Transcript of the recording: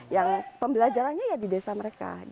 yang pembelajarannya ya di desa mereka